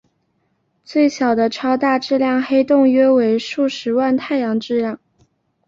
最小的超大质量黑洞约有数十万太阳质量。